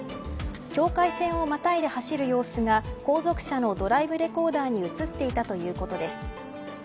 境界線をまたいで走る様子が後続車のドライブレコーダーに映っていたということです。